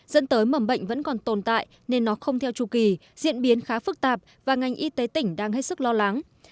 dẫn tới mầm bệnh vẫn còn tồn tại nên nó không theo chu kỳ diễn biến khá phức tạp và ngành y tế tỉnh đang hết sức lo lắng